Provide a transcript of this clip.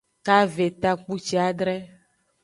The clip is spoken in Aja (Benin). Kave takpuciadre.